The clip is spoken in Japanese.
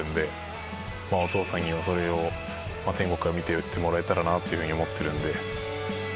お父さんにはそれを天国から見ていてもらえたらなというふうに思ってるんで。